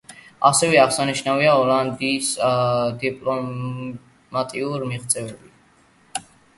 ასევე აღსანიშნავია იოლანდას დიპლომატიური მიღწევები.